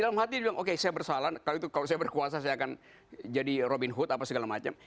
dalam hati bilang oke saya bersalah kalau saya berkuasa saya akan jadi robin hood apa segala macam